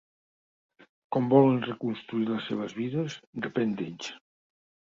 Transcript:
Com volen reconstruir les seves vides, depèn d'ells.